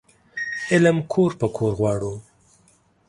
علم کور په کور غواړو